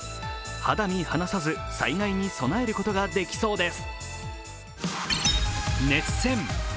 肌身離さず災害に備えることができそうです。